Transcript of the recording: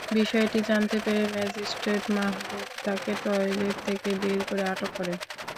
বিষয়টি জানতে পেরে ম্যাজিস্ট্রেট মাহবুব তাঁকে টয়লেট থেকে বের করে আটক করেন।